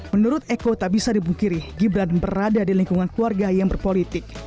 menurut eko tak bisa dibungkiri gibran berada di lingkungan keluarga yang berpolitik